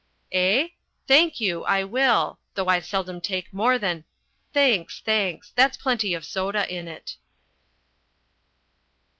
Eh? Thank you, I will though I seldom take more than thanks, thanks, that's plenty of soda in it.